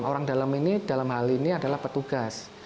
orang dalam ini dalam hal ini adalah petugas